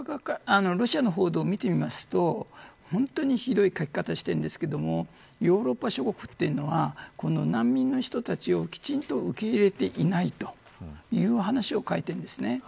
ロシアの報道を見てみると本当にひどい書き方をしているんですがヨーロッパ諸国というのは難民の人たちをきちんと受け入れていないという話を書いているんです。